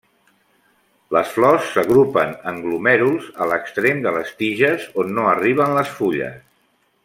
Les flors s'agrupen en glomèruls a l'extrem de les tiges on no arriben les fulles.